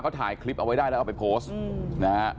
เขาถ่ายคลิปเอาไว้ได้แล้วเอาไปโพสต์นะฮะ